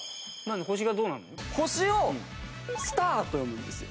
星を「スター」と読むんですよ。